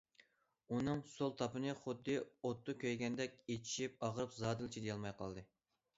ئۇنىڭ سول تاپىنى خۇددى ئوتتا كۆيگەندەك ئېچىشىپ ئاغرىپ، زادىلا چىدىيالماي قالدى.